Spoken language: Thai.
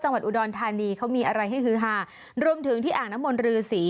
จังหวัดอุดรธานีเขามีอะไรให้ฮือฮารวมถึงที่อ่างน้ำมนรือศรี